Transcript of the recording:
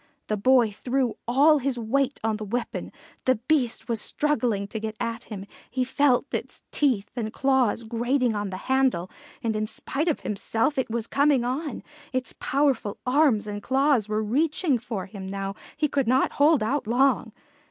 The boy threw all his weight on the weapon; the Beast was struggling to get at him; he felt its teeth and claws grating on the handle, and in spite of himself it was coming on; its powerful arms and claws were reaching for him now; he could not hold out long.